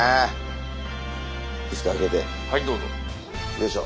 よいしょ。